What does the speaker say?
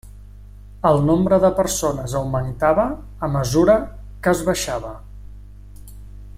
El nombre de persones augmentava a mesura que es baixava.